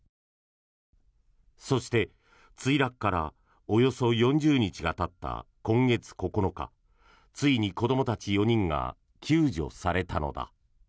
そして、墜落からおよそ４０日がたった今月９日ついに子どもたち４人が救助されたのだ。